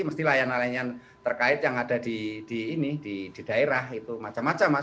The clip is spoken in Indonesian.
mesti layanan layanan terkait yang ada di daerah itu macam macam mas